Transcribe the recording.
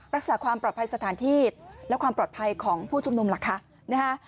รักษาความปลอดภัยสถานที่และความปลอดภัยของผู้ชุมนุมล่ะคะ